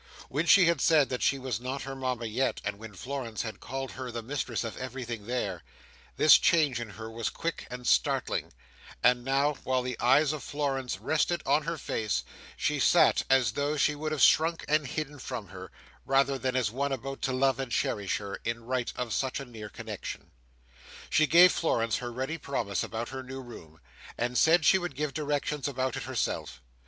When she had said that she was not her Mama yet, and when Florence had called her the mistress of everything there, this change in her was quick and startling; and now, while the eyes of Florence rested on her face, she sat as though she would have shrunk and hidden from her, rather than as one about to love and cherish her, in right of such a near connexion. She gave Florence her ready promise, about her new room, and said she would give directions about it herself.